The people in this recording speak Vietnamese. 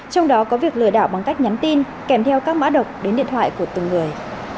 trong đó có việc lừa đảo bằng cách nhắn tin kèm theo các mã độc đến điện thoại của từng người